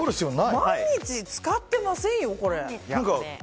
毎日使ってませんよ？